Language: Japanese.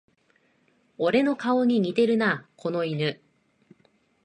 俺の顔に似てるな、この犬